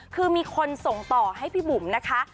คือมีคนส่งต่อให้พี่บุ๋มนะคะ